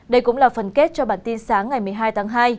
đây cũng là phần kết cho bản tin sáng ngày một mươi hai tháng hai